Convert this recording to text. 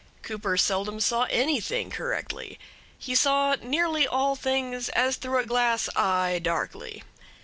Cooper seldom saw anything correctly. He saw nearly all things as through a glass eye, darkly.